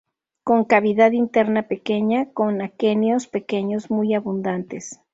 Con cavidad interna pequeña, con aquenios pequeños muy abundantes.